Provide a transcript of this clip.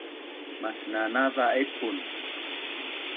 masnanava epun